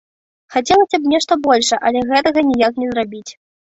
Хацелася б нешта большае, але гэтага ніяк не зрабіць.